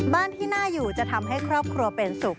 บ้านที่น่าอยู่จะทำให้ครอบครัวเป็นสุข